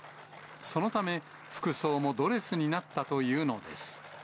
そのため、服装もドレスになったというのです。